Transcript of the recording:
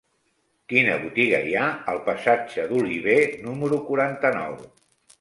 Quina botiga hi ha al passatge d'Olivé número quaranta-nou?